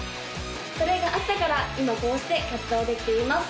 それがあったから今こうして活動できています